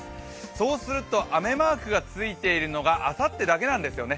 そうすると雨マークがついているのがあさってだけなんですよね。